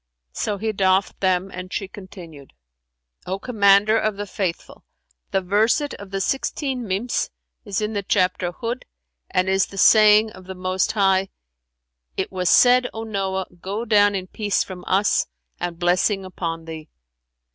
So he doffed them, and she continued, "O Commander of the Faithful, the verset of the sixteen Mims is in the chapter Hϊd and is the saying of the Most High, 'It was said, O Noah, go down in peace from us, and blessing upon thee!'